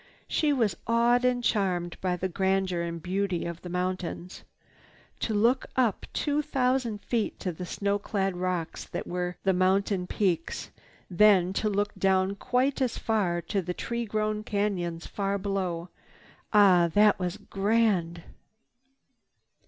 She was awed and charmed by the grandeur and beauty of the mountains. To look up two thousand feet to the snow clad rocks that were the mountain peaks, then to look down quite as far to the tree grown canyons far below—ah that was grand!